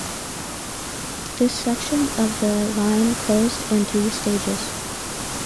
This section of the line closed in three stages.